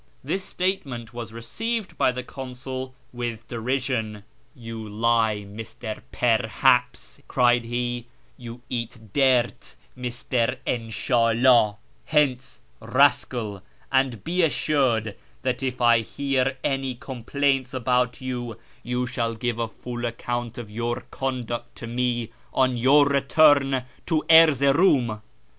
This statement was received by the consul with derision. " You lie, Mr. Perhaps," cried he ;" you eat dirt, Mr. In sha'Udh ; hence, rascal, and be assured that if I hear any complaints about you, you shall give a full account of your conduct to me on your return to Erzeroum